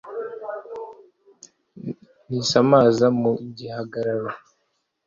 Ntisamaza mu gihagararo;